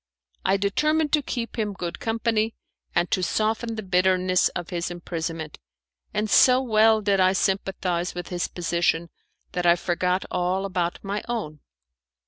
I determined to keep him good company, and to soften the bitterness of his imprisonment, and so well did I sympathize with his position that I forgot all about my own.